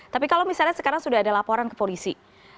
tapi kalau misalnya sekarang sudah ada laporan ke polisi